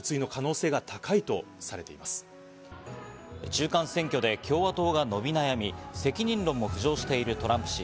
中間選挙で共和党が伸び悩み、責任論も浮上するトランプ氏。